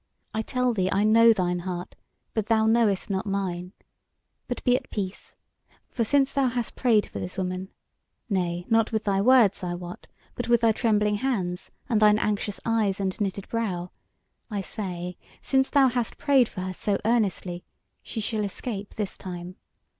"I tell thee I know thine heart, but thou knowest not mine. But be at peace! For since thou hast prayed for this woman nay, not with thy words, I wot, but with thy trembling hands, and thine anxious eyes, and knitted brow I say, since thou hast prayed for her so earnestly, she shall escape this time.